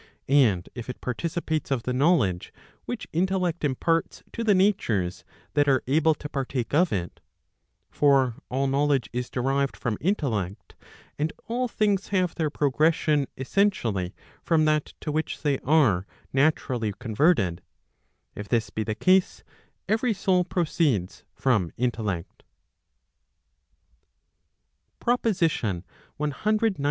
And if it participates of the knowledge which intellect imparts to the natures that are able to partake of it; (for all knowledge is derived from intellect, and all things have their progression essentially from that to which they are naturally con¬ verted)—if this be the case, every soul proceeds from intellect PROPOSITION CXCIV.